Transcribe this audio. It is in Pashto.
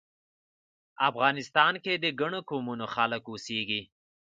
افغانستان کې د ګڼو قومونو خلک اوسیږی